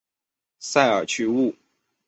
塞尔屈厄。